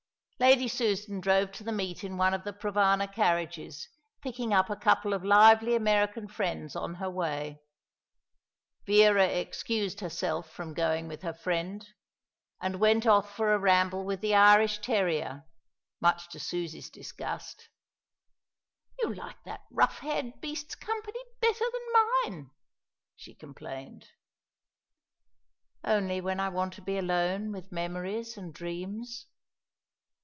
Lady Susan drove to the meet in one of the Provana carriages, picking up a couple of lively American friends on her way. Vera excused herself from going with her friend, and went off for a ramble with the Irish terrier, much to Susie's disgust. "You like that rough haired beast's company better than mine," she complained. "Only when I want to be alone with memories and dreams."